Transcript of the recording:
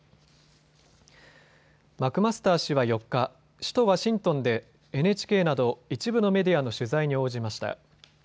マクマスター氏は４日、首都ワシントンでＮＨＫなど一部のメディアの取材に応じました。